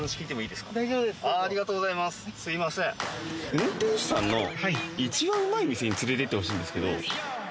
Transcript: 運転手さんの一番うまい店に連れてってほしいんですけど。